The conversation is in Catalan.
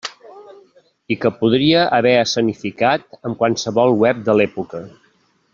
I que podria haver escenificat amb qualsevol web de l'època.